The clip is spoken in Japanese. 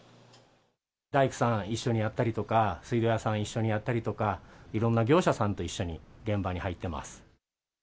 大工さんと一緒にやったりとか、水道屋さん、一緒にやったりとか、いろんな業者さんと一緒に現場に入ってます。